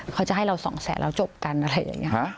เขาจะให้เราสองแสนแล้วจบกันอะไรอย่างนี้